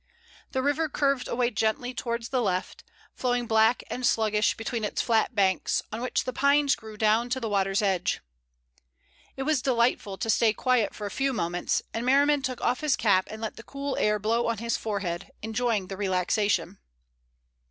The river curved away gently towards the left, flowing black and sluggish between its flat banks, on which the pines grew down to the water's edge. It was delightful to stay quiet for a few moments, and Merriman took off his cap and let the cool air blow on his forehead, enjoying the relaxation.